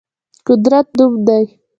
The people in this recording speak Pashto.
قدرت نوم دی.